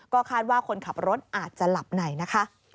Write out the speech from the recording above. คาดว่าคนขับรถอาจจะหลับในนะคะ